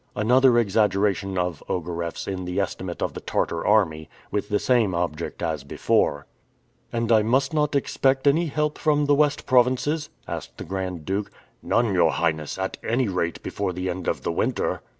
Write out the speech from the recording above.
Another exaggeration of Ogareff's in the estimate of the Tartar army, with the same object as before. "And I must not expect any help from the West provinces?" asked the Grand Duke. "None, your Highness, at any rate before the end of the winter."